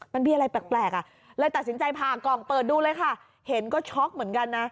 มันมีอะไรแปลกอ่ะเลยตัดสินใจผ่ากล่องเปิดดูเลยค่ะเห็นก็ช็อกเหมือนกันนะ